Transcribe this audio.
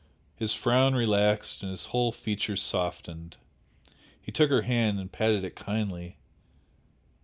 His frown relaxed and his whole features softened. He took her hand and patted it kindly.